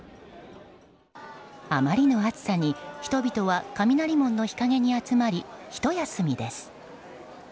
あまりの暑さに人々は雷門の日陰に集まりひと休みです。